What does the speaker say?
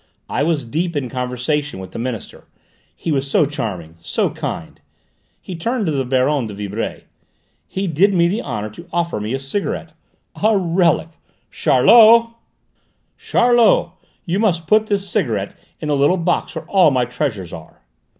"I was deep in conversation with the Minister. He was so charming, so kind!" He turned to the Baronne de Vibray. "He did me the honour to offer me a cigarette! A relic! Charlot! Charlot! You must put this cigarette in the little box where all my treasures are!"